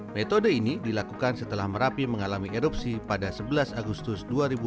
metode ini dilakukan setelah merapi mengalami erupsi pada sebelas agustus dua ribu dua puluh